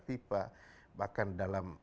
vipa bahkan dalam